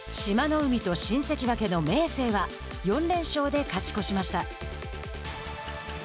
海と新関脇の明生は４連勝で勝ち越しました。